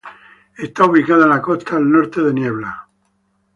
Está ubicada en la costa al norte de Niebla.